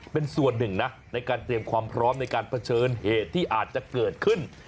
เป็นส่วนหนึ่งนะในการเตรียมความพร้อมในการเผชิญเหตุที่อาจจะเกิดขึ้น